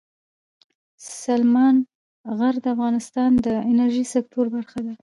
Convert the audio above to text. سلیمان غر د افغانستان د انرژۍ سکتور برخه ده.